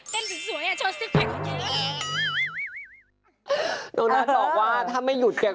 เต้นสุดสวยอ่ะ